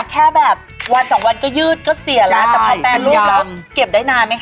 แค่แบบวันสองวันก็ยืดก็เสียแล้วแต่พอแปรรูปแล้วเก็บได้นานไหมค